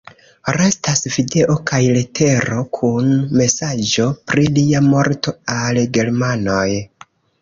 Restas video kaj letero kun mesaĝo pri lia morto al germanoj.